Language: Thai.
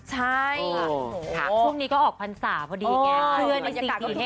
หรือก็ออกฟันศาพะดีไง